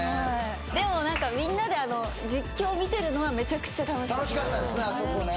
でもみんなで実況見てるのはめちゃくちゃ楽しかった楽しかったですね